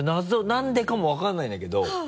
なんでかも分からないんだけど。